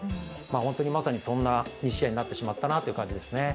本当に、まさにそんな１試合になってしまったなという感じですね。